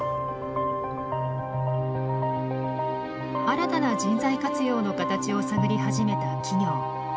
新たな人材活用の形を探り始めた企業。